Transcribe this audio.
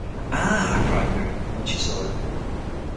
“Ah!” cried Miriam, when she saw it.